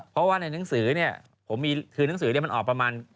เพราะว่าในหนังสือเนี่ยผมมีคือหนังสือมันออกประมาณ